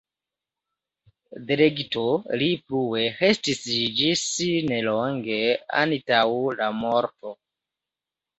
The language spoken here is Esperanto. Delegito li plue restis ĝis nelonge antaŭ la morto.